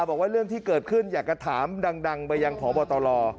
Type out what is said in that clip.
บอกว่าเรื่องที่เกิดขึ้นอยากจะถามดังไปยังพบตร